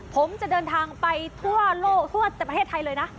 ผมจะเดินทางไปทั่วโลกทั่วประเทศไทยเลยนะ